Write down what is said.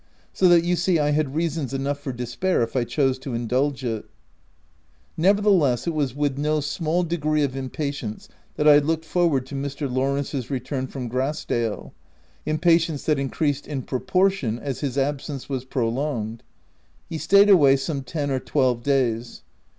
So that you see I had reasons enough for despair if I chose to indulge it. Nevertheless, it was with no small degree of impatience that I looked forward to Mr. Law rence's return from Grass dale— impatience that increased in proportion as his absence was pro longed. He stayed away some ten or twelve days.